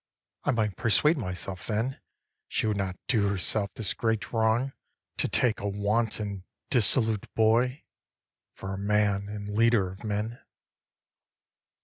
I might persuade myself then She would not do herself this great wrong To take a wanton dissolute boy For a man and leader of men.